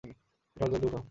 উঠাও, জলদি উঠাও।